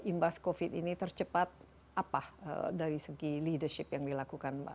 imbas covid ini tercepat apa dari segi leadership yang dilakukan mbak